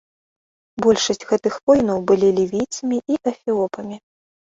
Большасць гэтых воінаў былі лівійцамі і эфіопамі.